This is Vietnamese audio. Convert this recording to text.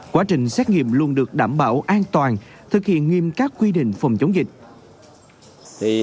quá trình xét nghiệm luôn được đảm bảo an toàn thực hiện nghiêm các quy định phòng chống dịch